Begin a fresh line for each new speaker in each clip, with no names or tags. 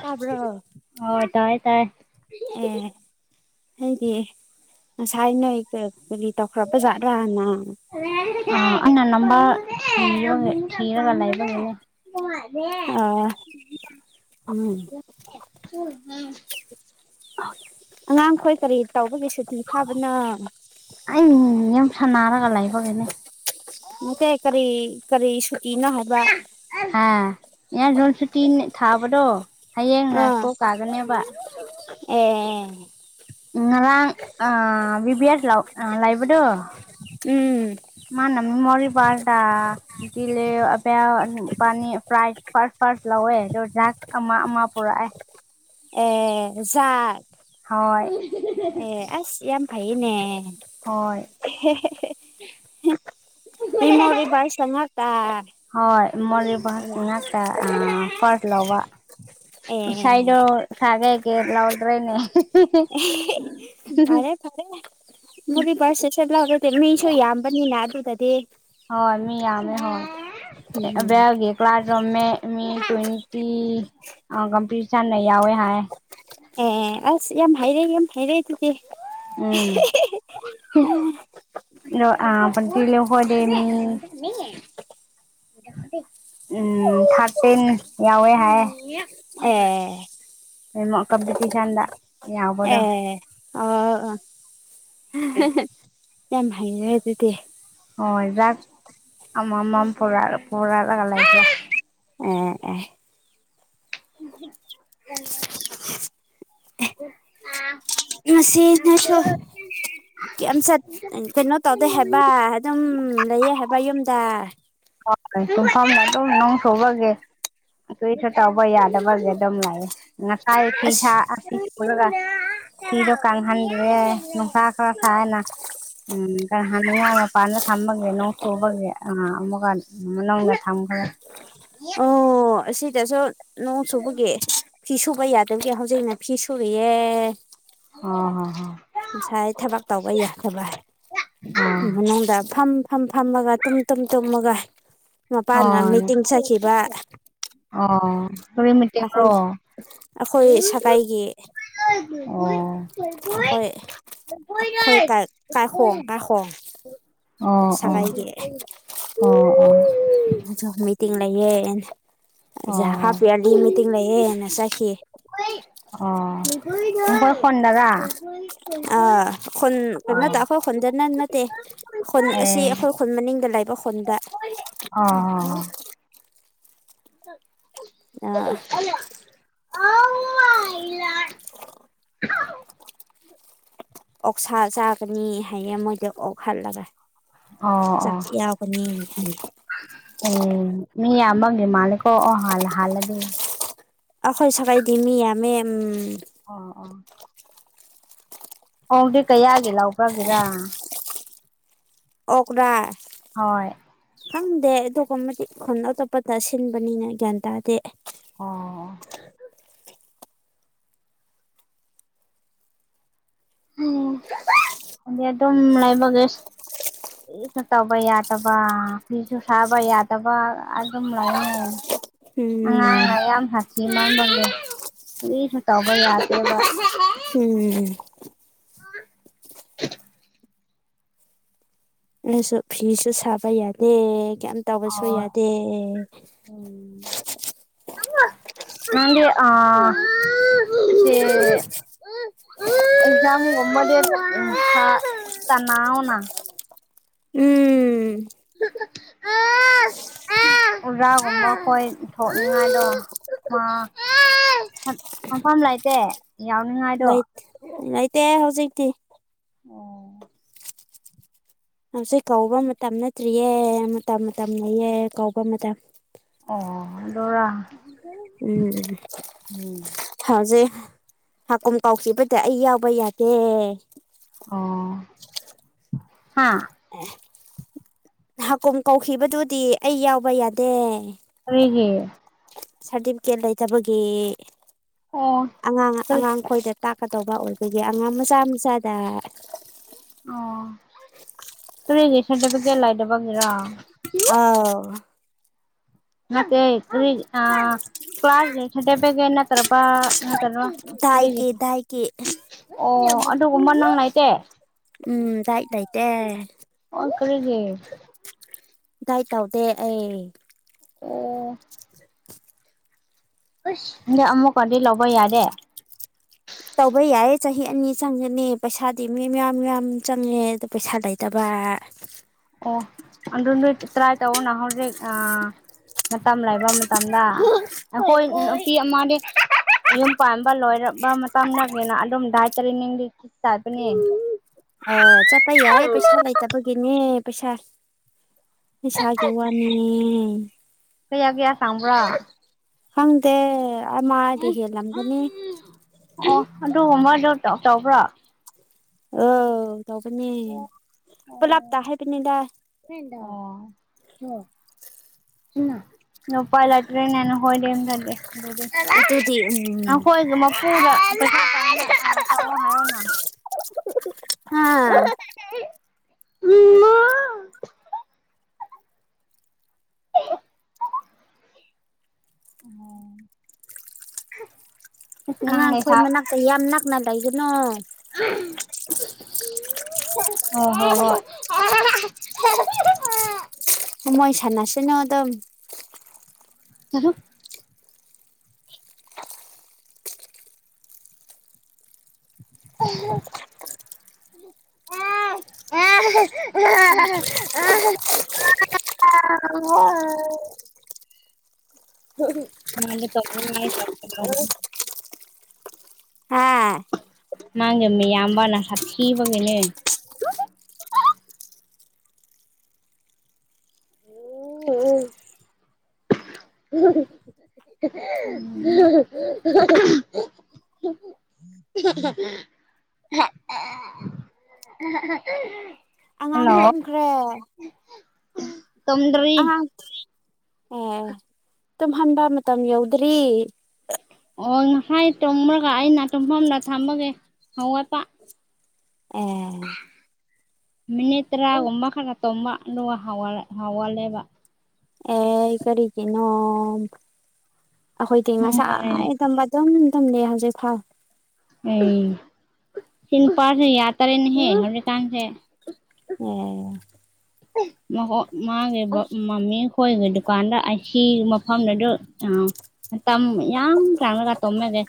ꯇꯥꯕ꯭ꯔꯣ
ꯎ ꯑꯣ ꯇꯥꯏ ꯇꯥꯏ
ꯑꯦ ꯑꯩꯗꯤ ꯉꯁꯥꯏ ꯅꯣꯏ ꯀꯔꯤ ꯇꯧꯈ꯭ꯔꯕ ꯖꯥꯠ꯭ꯔꯥꯅ
ꯑ ꯑꯩꯅ ꯅꯝꯕ ꯊꯤꯔꯣ ꯍꯦꯛ ꯊꯤꯔꯒ ꯂꯩꯕꯔ ꯍꯦꯡꯉꯣ
ꯑꯥ ꯎꯝ
[unintelligible]
ꯑꯉꯥꯡꯈꯣꯏ ꯀꯔꯤ ꯇꯧꯕꯒꯤꯁꯨ ꯁꯨꯇꯤ ꯊꯥꯕꯅꯣ
ꯑꯩ ꯌꯦꯝ ꯁꯅꯔꯒ ꯂꯩꯕꯒꯤꯅꯦ
ꯅꯠꯇꯦ ꯀꯔꯤ ꯀꯔꯤ ꯁꯨꯇꯤꯅꯣ ꯍꯥꯏꯕ
ꯍꯥ ꯌꯥꯟ ꯁꯣꯟ ꯁꯨꯇꯤ ꯊꯥꯕꯗꯣ ꯍꯌꯦꯡꯅ
ꯑꯥ
ꯀꯣꯛ ꯀꯥꯒꯅꯦꯕ
ꯑꯦ
ꯉꯂꯥꯡ ꯑ ꯕꯤꯕꯤ ꯑ ꯂꯥꯎ ꯂꯥꯏꯕꯗꯣ
ꯎꯝ
ꯃꯥꯅꯃꯤ ꯃꯣꯔꯤꯔꯤꯕꯗꯂ [unintelligible] [unintelligible] ꯄꯥꯅꯤ ꯄ꯭ꯔꯥꯏꯖ ꯐꯥꯔꯁ ꯐꯥꯔꯁ ꯂꯧꯋꯦ ꯑꯗꯣ ꯗ꯭ꯔꯥꯛ ꯑꯃ ꯑꯃ ꯄꯨꯔꯛꯑꯦ
ꯑꯦ ꯖꯥꯔ
ꯍꯣꯏ
ꯑꯦ ꯑꯁ ꯌꯥꯝ ꯐꯥꯏꯌꯦꯅꯦ
ꯍꯣꯏ
ꯍꯦꯍꯦꯍꯦ ꯍꯦꯍ ꯃꯤꯃꯔꯔꯤꯕꯏ ꯆꯪꯉꯛꯇ
ꯍꯣꯏ ꯃꯣꯔꯔꯤꯕꯥꯁ ꯉꯥꯛꯇ ꯐꯥꯔ ꯂꯥꯎꯕ
ꯑꯦ
ꯁꯥꯏꯗ ꯁꯒꯑꯒꯦ ꯂꯥꯎꯜꯗ꯭ꯔꯦꯅꯦ
ꯑꯦ ꯐꯔꯦ ꯐꯔꯦ ꯃꯣꯔꯥꯄꯔꯁꯦꯁ ꯂꯎꯔꯗꯤ ꯃꯤꯁꯨ ꯌꯥꯝ ꯅꯤꯅꯥ ꯑꯗꯨꯗꯗꯤ
ꯍꯣꯏ ꯃꯤ ꯌꯥꯃꯦ ꯍꯣꯏ
ꯎꯝ
ꯕꯒꯦ ꯀ꯭ꯂꯥꯁ ꯔꯣꯝꯃꯦ ꯃꯤ ꯇ꯭ꯋꯦꯟꯇꯤ ꯀꯝꯄꯤꯇꯤꯁꯟꯅ ꯌꯥꯎꯋꯦ ꯍꯥꯏ
ꯑꯦ ꯑꯁ ꯌꯥꯝ ꯍꯩꯔꯛꯦ ꯌꯥꯝ ꯍꯩꯔꯛꯦ ꯑꯗꯨꯗꯤ
ꯎꯝ
ꯑꯥ
ꯑ ꯇꯤ ꯂꯩ ꯍꯣꯗꯦ ꯃꯤ ꯎꯝ ꯊꯥꯔꯇꯤꯟ ꯌꯥꯎꯋꯦ ꯍꯥꯏ
ꯑꯣ
ꯃꯉ ꯀꯝꯄꯤꯇꯤꯁꯟꯗ ꯌꯥꯎꯕꯗꯣ
ꯑꯦ ꯑꯣ ꯌꯥꯝ ꯍꯥꯏꯔ ꯑꯗꯨꯗꯤ
ꯍꯣꯏ ꯆꯥꯛ ꯑꯃ ꯑꯃꯝꯣꯔꯛꯣꯔꯛꯑꯒ ꯂꯩꯁꯦ
ꯎꯝ ꯎ
[inaudible]
ꯉꯁꯤ ꯅꯁꯨ ꯀ ꯆꯠ ꯀꯩꯅꯣ ꯇꯧꯗꯦ ꯍꯥꯏꯕ ꯑꯗꯨꯝ ꯂꯩꯌꯦ ꯍꯥꯏꯕ ꯌꯨꯝꯗ
ꯍꯨꯝꯐꯝꯝꯗ ꯑꯗꯨꯧ ꯅꯪ ꯁꯨꯕꯒꯦ ꯇꯨ ꯊ ꯇ ꯑꯕ ꯌꯥꯗꯕ ꯑꯦꯗꯝ ꯂꯑꯦ ꯉꯁꯥꯏ ꯊ ꯁꯥ
ꯑꯁ
[unintelligible] ꯀꯪꯍꯜꯂꯦ ꯅꯨꯡꯁꯥ ꯁꯥꯏꯌꯦꯅꯥ ꯎꯝ ꯀꯔꯤ ꯍꯥꯏꯕ ꯋꯥ ꯃꯄꯥꯟꯗ ꯊꯝꯃꯒꯦ ꯅꯣꯡ ꯁꯨꯕꯒꯦ ꯑꯥ ꯑꯃ ꯋꯥꯟ ꯅꯪꯅ ꯊꯥꯡꯈꯕ꯭ꯔꯥ
ꯑꯧ ꯑꯁꯤꯗꯁꯨ ꯅꯣꯡ ꯁꯨꯕꯒꯤ ꯐꯤ ꯁꯨꯕ ꯌꯥꯗꯕꯒꯤ ꯍꯧꯖꯤꯛꯅꯥ ꯐꯤ ꯁꯨꯔꯤꯌꯦ
ꯑꯝ ꯍꯨꯝ ꯍꯨꯝ
ꯉꯁꯥꯏ ꯊꯕꯛ ꯇꯧꯕ [unintelligible] ꯃꯅꯨꯡꯗ ꯐꯝ ꯐꯝ ꯐꯝꯃꯒ ꯇꯨꯝ ꯇꯨꯝ ꯇꯨꯝꯃꯒ
ꯍꯣ
ꯃꯄꯥꯅ
ꯑ ꯍꯣꯏ
ꯃꯤꯇꯤꯡ ꯆꯠꯈꯤꯕ
ꯑꯣ ꯀꯔꯤ ꯃꯇꯦꯛꯔꯣ
ꯑꯩꯈꯣꯏ
ꯑꯣ ꯑꯣ
ꯑꯩꯈꯣꯏ ꯁꯥꯒꯩꯏꯒꯤ
ꯑꯣ
ꯑꯩꯈꯣꯏ ꯑꯩꯈꯣꯏ ꯀ ꯀꯥꯏꯈꯣꯡ ꯀꯥꯏꯈꯣꯡ
ꯑꯣ
ꯁꯒꯥꯏꯒꯤ
ꯑꯣ ꯑꯣ ꯑꯣ
ꯑꯗꯨꯁꯨ ꯃꯤꯇꯤꯡ ꯂꯩꯑ ꯑꯩꯖ
ꯑꯣ
ꯍꯥꯞꯄꯤꯔꯂꯤ ꯃꯤꯇꯤꯡ ꯂꯩꯑꯦꯅ ꯆꯠꯈꯤꯑ
ꯑꯣ ꯣꯏ ꯐꯟꯗꯒ
ꯑ ꯈꯨꯟ ꯀꯩꯅꯣ ꯇ ꯑꯩꯈꯣꯏ ꯈꯨꯟꯗꯅ ꯅꯠꯇꯦ ꯈꯨꯟ ꯑꯁꯤ ꯑꯩꯈꯣꯏ ꯈꯨꯟ ꯃꯅꯤꯡꯗ ꯂꯩꯕ ꯈꯨꯟꯗ
ꯑꯣ ꯑ ꯍ
ꯑ ꯑꯣꯛꯁꯥ ꯆꯥꯒꯅꯤ ꯍꯥꯏꯌꯦ ꯃꯣꯏꯗꯣ ꯑꯣꯛꯍꯜꯂꯒꯥ
ꯑꯥ ꯑꯥ
ꯍꯥꯏꯌꯦ
ꯑꯝ ꯃꯤ ꯌꯥꯝꯃꯒꯤ ꯃꯥꯜꯂꯦꯀꯣ ꯑꯣ ꯍꯥꯟꯅꯥ ꯍꯥꯜꯂꯥꯗꯤ
ꯑꯈꯣꯏ ꯁꯒꯩꯗꯤ ꯃꯤ ꯌꯥꯝꯃꯦ ꯑꯝ
ꯑꯣ ꯑꯣ ꯑꯣꯝꯗꯤ ꯀꯌꯥꯒꯤ ꯂꯥꯎꯕꯒꯤꯔꯥ ꯍꯣꯏ
[unintelligible] ꯈꯪꯗꯦ ꯑꯗꯨꯒꯨꯝꯕꯗꯤ [unintelligible] ꯁꯤꯟꯕꯅꯤꯅ ꯒ꯭ꯌꯥꯟ ꯇꯥꯗꯦ
ꯎꯝ ꯎꯝ [unintelligible] ꯑꯗꯨꯝ ꯂꯩꯕꯒꯦꯁ ꯀꯤꯁꯨ ꯇꯧꯕ ꯌꯥꯗꯕ ꯐꯤꯁꯨ ꯁꯥꯕ ꯌꯥꯗꯕ ꯑꯗꯨꯝ ꯂꯩꯌꯦ
ꯎꯝ
ꯑꯉꯥꯡꯅ ꯌꯥꯝ ꯁꯥꯊꯤ ꯃꯥꯡꯕꯒꯤ ꯀꯔꯤꯁꯨ ꯇꯧꯕ ꯌꯥꯗꯦꯕ
ꯍꯝ
ꯑꯣ
ꯑꯩꯁꯨ ꯐꯤꯁꯨ ꯁꯥꯕ ꯌꯥꯗꯦ ꯀꯩꯝ ꯇꯧꯕꯁꯨ
ꯍꯣꯏ
ꯌꯥꯗꯦ
ꯎꯝ ꯅꯪꯗꯤ ꯑꯥ [unintelligible] ꯑꯦꯛꯖꯥꯝ ꯒꯨꯝꯕꯗꯤ ꯇꯅꯥꯎꯅ
ꯎꯝ
ꯑꯥ ꯑꯣꯖꯥꯒꯨꯝꯕꯈꯣꯏ ꯊꯣꯛꯅꯤꯡꯉꯥꯏꯗꯣ ꯊꯥ ꯐꯝ ꯐꯝꯐꯝ ꯂꯩꯇꯦ ꯌꯥꯎꯅꯤꯡꯉꯥꯏꯗꯣ
ꯂꯩ ꯂꯩꯇꯦ ꯍꯧꯖꯤꯛꯇꯤ
ꯑꯣ
ꯍꯧꯖꯤꯛ ꯀꯧꯕ ꯃꯇꯝ ꯅꯠꯇ꯭ꯔꯤꯌꯦ ꯃꯇꯝ ꯃꯇꯝ ꯂꯩꯌꯦ ꯀꯧꯕ ꯃꯇꯝ
ꯎꯝ ꯑꯗꯣꯔꯥ
ꯎꯝ ꯍꯧꯖꯤꯛ ꯍꯥꯀꯨꯝ ꯀꯥꯎꯈꯤꯕꯗ ꯑꯩ ꯌꯥꯎꯕ ꯌꯥꯗꯦ
ꯑꯣ ꯍꯥ
ꯑꯦ ꯍꯥꯀꯨꯝ ꯀꯧꯈꯤꯕꯗꯨꯗꯤ ꯑꯩ ꯌꯥꯎꯕ ꯌꯥꯗꯦ
ꯀꯔꯤꯒꯤ
ꯁꯥꯔꯇꯤꯐꯤꯀꯦꯠ ꯂꯩꯇꯕꯒꯤ
ꯑꯣ
ꯑꯉꯥꯡ
ꯀꯔꯤ
ꯑꯉꯥꯡ ꯈꯣꯏꯗꯥ ꯇꯥꯛꯀꯗꯧꯕ ꯑꯣꯏꯕꯒꯤ ꯑꯉꯥꯡ ꯃꯆꯥ ꯃꯆꯥꯗ
ꯑꯣ ꯀꯥꯔꯤꯒꯤ ꯁꯔꯇꯤꯐꯤꯀꯦꯠ ꯂꯥꯏꯗꯥꯕꯒꯤꯔ
ꯑꯥꯎ
ꯅꯥꯇꯦ ꯀꯔꯤ ꯊꯥ ꯀ꯭ꯂꯥꯁꯁꯗꯕꯒ ꯇꯔꯄꯥ ꯍꯣꯇꯜ ꯂꯩ
ꯗꯥꯏꯠꯀꯤ ꯗꯥꯏꯠꯀꯤ
ꯑꯣ ꯑꯗꯨꯒꯨꯝꯕ ꯅꯨꯡꯉꯥꯏꯇꯦ
ꯎꯝ ꯗꯥꯠ ꯂꯩꯇꯦ
ꯑꯣ ꯀꯔꯤꯗꯤ
ꯗꯥꯥꯏ ꯇꯧꯗꯦ ꯑꯩ
ꯑꯣ
[unintelligible]
ꯑꯁ ꯅꯪꯗꯤ ꯑꯃꯨꯛꯀꯗꯤ ꯂꯧꯕ ꯌꯥꯗꯦ
ꯇꯧꯕ ꯌꯥꯏ ꯆꯍꯤ ꯑꯅꯤ ꯆꯪꯒꯅꯤ ꯄꯩꯁꯥꯗꯤ ꯃꯤ ꯃ꯭ꯌꯥꯝ ꯃ꯭ꯌꯥꯝ ꯆꯪꯉꯦ ꯑꯗꯨ ꯄꯩꯁꯥ ꯂꯩꯇꯕ
ꯑꯣ ꯑꯗꯨ ꯅꯣꯏ ꯇ꯭ꯔꯥꯏ ꯇꯧꯑꯣꯅꯥ ꯍꯧꯖꯤꯛ ꯑꯥ ꯃꯇꯝ ꯂꯩꯕ ꯃꯇꯝꯗ ꯑꯩꯈꯣꯏ ꯅꯨꯄꯤ ꯑꯃꯗꯤ ꯌꯨꯝ ꯄꯥꯟꯕ ꯂꯣꯏꯔꯕ ꯃꯇꯝꯗꯒꯤꯅ ꯑꯗꯨꯝ ꯇꯄꯅꯤ
ꯑꯥ ꯆꯠꯄꯥ ꯌꯥꯏ ꯄꯩꯁꯥ ꯂꯩꯇꯕꯒꯤꯅꯦ ꯄꯩꯁꯥ ꯄꯩꯁꯥꯒꯤ ꯋꯥꯅꯤ
ꯀꯌꯥ ꯀꯌꯥ ꯆꯪꯕ꯭ꯔꯥ
ꯈꯪꯗꯦ ꯑꯃꯗꯤ ꯍꯦꯜꯂꯝꯒꯅꯤ
ꯑꯣ ꯑꯗꯨꯒꯨꯝꯕꯗ ꯇꯧꯕ꯭ꯔꯣ
ꯑꯧ ꯇꯧꯕꯅꯦ ꯄꯨꯂꯥꯞꯇꯥ ꯍꯥꯏꯕꯅꯤꯗ
[unintelligible] ꯅꯨꯄꯥꯏ ꯂꯩꯇ꯭ꯔꯦꯅꯦ ꯅꯍꯣꯏꯗꯤ ꯑꯗꯨ
ꯑꯗꯨꯗꯤ ꯎꯝ
ꯅꯈꯣꯏꯒꯤ ꯃꯄꯨꯒ ꯄꯩꯁꯥ
ꯍꯥꯥ
ꯎꯃ ꯑꯣꯝ
ꯑꯉꯥꯡꯈꯣꯏ ꯃꯅꯥꯛꯇ ꯌꯥꯝ ꯅꯛꯅ ꯂꯩꯒꯅꯣ
ꯑ ꯍꯣ ꯍꯣ ꯍꯣꯏ
ꯃꯣꯏꯁꯥꯟꯅꯁꯅꯣ ꯗꯨꯝ
ꯎꯍ [unintelligible] [unintelligible] [unintelligible] ꯃꯥꯅꯦ ꯇ ꯆ [unintelligible]
ꯍꯥꯥ
ꯃꯥꯒꯤ ꯃꯌꯥꯝꯕꯥꯅꯅꯥ ꯍꯞꯄꯤꯕꯒꯤꯅꯦ ꯎ ꯎ [unintelligible] [unintelligible]
ꯑꯉꯥꯡ
ꯍꯜꯂꯣ
ꯇꯨꯝꯈ꯭ꯔꯦ
ꯇꯨꯝꯗꯔ꯭ꯤ
ꯑꯣ ꯍꯥꯟꯕ ꯃꯇꯝ ꯌꯧꯗ꯭ꯔꯤ
ꯑꯣ ꯉꯁꯥꯏ ꯇꯣꯡꯃꯨꯔꯒ ꯑꯩꯅ ꯇꯨꯝꯐꯝꯗ ꯊꯝꯃꯒꯦ ꯍꯧꯒꯠꯄꯥ
ꯑꯦ
ꯃꯤꯅꯤꯠ ꯇꯔꯥꯒꯨꯝ ꯃꯈ ꯈ ꯇꯣꯝꯕ ꯂ ꯍꯥꯎꯋꯥꯜꯂꯦꯕ
ꯀꯔꯤꯒꯤꯅꯣ ꯑꯩꯈꯣꯏꯗꯤ ꯉꯁꯥꯏ ꯇꯝꯕ ꯏꯝ ꯇꯝꯂ ꯍꯧꯖꯤꯛ ꯈꯥꯎ [unintelligible]
ꯎ ꯁꯤꯟ ꯄꯔꯁꯦ ꯌꯥꯇꯔꯦꯅꯦ ꯍꯧꯖꯤꯛꯀꯥꯟꯁꯦ
ꯑꯣ
ꯃꯥꯒꯤ ꯃꯃꯤ ꯈꯣꯏꯒꯤ ꯗꯨꯀꯥꯟꯗ ꯑꯁꯤ ꯃꯐꯝꯗꯨꯗ ꯑ ꯇꯝ ꯌꯥꯡ ꯆꯥꯟꯂꯒ ꯇꯣꯃꯦꯒ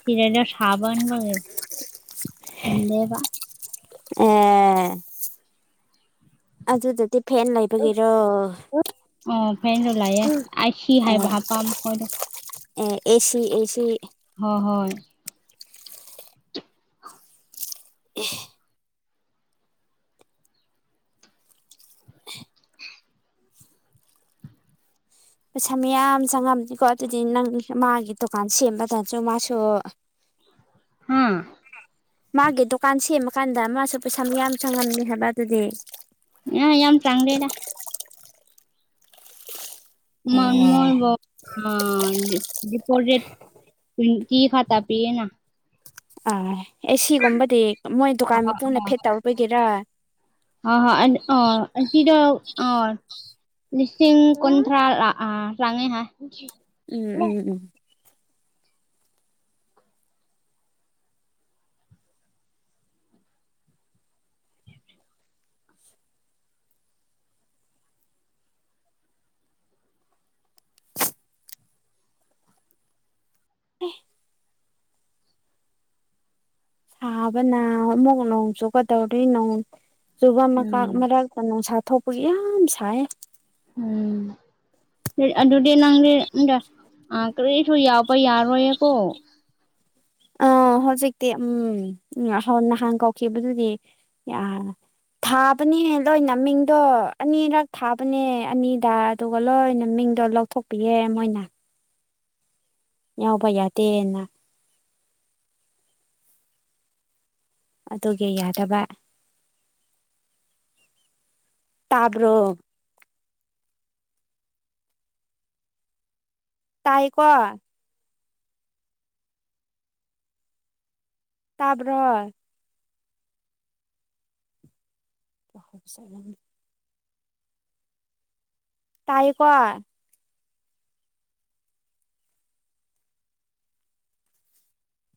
ꯁꯤꯔꯗ ꯁꯥꯃꯟꯕꯒꯤ ꯇꯦꯕ
ꯑꯦ ꯑꯗꯨꯗꯗꯤ ꯐꯦꯟ ꯂꯩꯕꯒꯤꯔꯣ
ꯑꯣ ꯐꯦꯟꯗꯣ ꯂꯥꯛꯑꯦ ꯑꯥꯏ ꯁꯤ ꯍꯥꯏꯕ
ꯑꯦ
ꯍꯥꯄꯥ ꯃꯈꯣꯏꯗꯣ
ꯑꯦꯁꯤ ꯑꯦꯁꯤ
ꯍꯣꯏ ꯍꯣꯏ
ꯎ ꯄꯩꯁꯥ ꯃꯌꯥꯝ ꯆꯪꯉꯝꯅꯤꯀꯣ ꯑꯗꯨꯗꯤ ꯅꯪ ꯃꯥꯒꯤ ꯗꯨꯀꯥꯟ ꯁꯦꯝꯕꯗꯅꯁꯨ ꯃꯥꯁꯨ
ꯎꯝ
ꯃꯥꯒꯤ ꯗꯨꯀꯥꯟ ꯁꯦꯝꯃꯀꯥꯟꯗ ꯃꯥꯁꯨ ꯄꯩꯁꯥ ꯃ ꯌꯥꯝ ꯆꯪꯉꯝꯃꯦ ꯍꯥꯏꯕ ꯑꯗꯨꯗꯤ
ꯑ ꯌꯥꯝ ꯆꯪꯗꯦꯗꯥ
ꯑꯦ
[unintelligible] ꯑꯄꯣ ꯔꯦꯠ ꯇ꯭ꯇꯤ ꯈꯥ ꯇꯥ ꯄꯤꯦꯅ [unintelligible]
ꯑ ꯑꯦ ꯁꯤꯒꯨꯝꯕꯗꯤ ꯃꯣꯏ ꯗꯨꯀꯥꯟ
ꯑꯥ
ꯃꯄꯨꯅ ꯐꯤꯠ ꯇꯧꯕꯒꯤꯔꯥ
ꯑꯟꯇꯤꯗꯣ [unintelligible] ꯂꯤꯁꯤꯡ ꯀꯨꯟꯊ꯭ꯔꯥ ꯂꯥꯛ ꯑ ꯂꯥꯡꯉꯦ ꯍꯥꯏ
ꯎꯝ ꯎꯝ ꯎꯝ ꯍ [unintelligible] ꯍꯥꯕ ꯅ ꯑꯃꯨꯛ ꯅꯣꯡꯆꯨꯒꯇꯧꯔ ꯅ ꯆꯨꯕ
ꯎꯝ
ꯃꯔꯛ ꯅꯨꯡꯁꯥ ꯊꯣꯛꯄꯒꯤ ꯌꯥꯝ ꯁꯥꯏ
ꯎꯝ ꯑꯗꯨꯗꯤ ꯅꯪꯗꯤ ꯀꯔꯤꯁꯨ ꯌꯥꯎꯕ ꯌꯥꯔꯣꯏꯌꯦꯀꯣ
ꯑ ꯍꯧꯖꯤꯛꯇꯤ ꯎꯝ ꯎꯝ ꯅꯍꯥꯟ ꯀꯧꯈꯤꯕꯗꯨꯗꯤ ꯊꯥꯕꯅꯦꯍ ꯂꯣꯏꯅꯃꯤꯡꯗꯣ ꯑꯅꯤꯔꯛ ꯊꯥꯕꯅꯦ ꯑꯅꯤꯗ ꯑꯗꯨꯒ ꯂꯣꯏꯅ ꯃꯤꯡꯗꯣ ꯂꯧꯊꯣꯛꯄꯤꯌꯦ ꯃꯣꯏꯅ ꯌꯥꯎꯕ ꯌꯥꯗꯦꯅ ꯑꯗꯨꯒꯤ ꯌꯥꯗꯕ ꯇꯥꯕ꯭ꯔꯣ ꯇꯥꯏꯀꯣ ꯇꯥꯕ꯭ꯔꯣ [unintelligible] ꯇꯥꯏꯀꯣ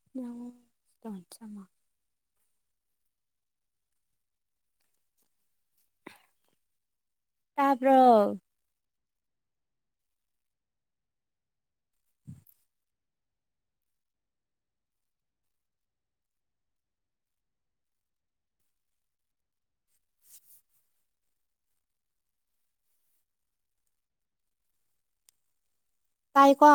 [unintelligible] ꯆꯃ ꯇꯥꯕ꯭ꯔꯣ ꯇꯥꯏꯀꯣ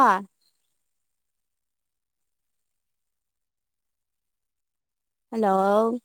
ꯍꯜꯂꯣ